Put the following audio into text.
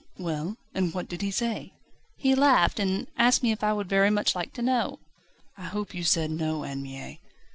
"Well? And what did he say?" "He laughed, and asked me if I would very much like to know." "I hope you said No, Anne Mie?"